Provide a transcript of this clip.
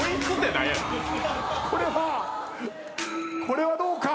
これはどうか？